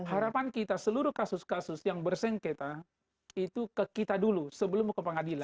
harapan kita seluruh kasus kasus yang bersengketa itu ke kita dulu sebelum ke pengadilan